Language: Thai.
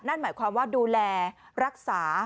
นั่นหมายความว่าดูแลรักษา